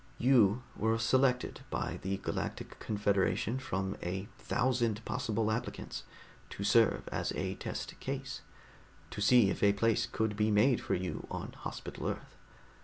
You were selected by the Galactic Confederation from a thousand possible applicants, to serve as a test case, to see if a place could be made for you on Hospital Earth.